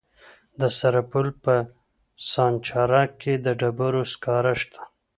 د سرپل په سانچارک کې د ډبرو سکاره شته.